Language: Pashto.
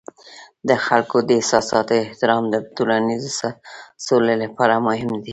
د خلکو د احساساتو احترام د ټولنیز سولې لپاره مهم دی.